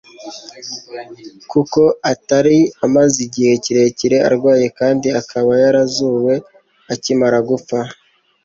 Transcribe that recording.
Kuko atari amaze igihe kirekire arwaye, kandi akaba yarazuwe akimara gupfa,